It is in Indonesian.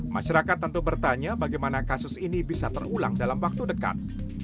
masyarakat tentu bertanya bagaimana kasus ini bisa terulang dalam waktu dekat